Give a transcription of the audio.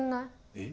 えっ？